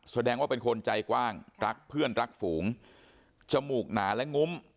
แสดงว่าเป็นคนใจกว้างรักเพื่อนรักฝูงจมูกหนาและงุ้ม